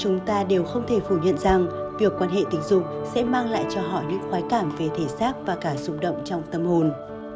chúng ta đều không thể phủ nhận rằng việc quan hệ tình dục sẽ mang lại cho họ những khóa cảm về thể xác và cả xúc động trong tâm hồn